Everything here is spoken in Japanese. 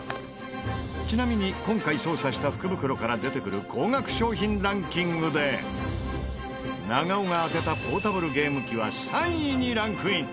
ちなみに今回捜査した福袋から出てくる高額商品ランキングで長尾が当てたポータブルゲーム機は３位にランクイン。